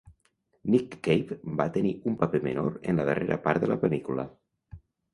Nick Cave va tenir un paper menor en la darrera part de la pel·lícula.